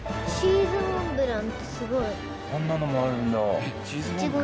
こんなのもあるんだ。